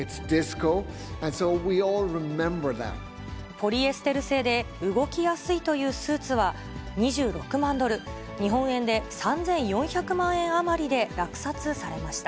ポリエステル製で動きやすいというスーツは、２６万ドル、日本円で３４００万円余りで落札されました。